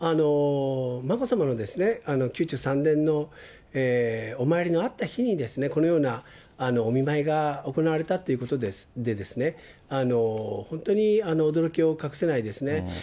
眞子さまの宮中三殿のお参りのあった日に、このようなお見舞いが行われたということで、本当に驚きを隠せないですね。